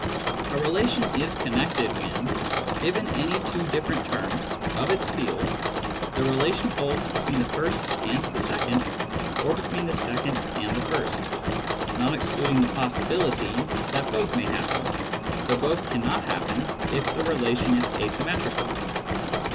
A relation is connected when, given any two different terms of its field, the relation holds between the first and the second or between the second and the first (not excluding the possibility that both may happen, though both cannot happen if the relation is asymmetrical).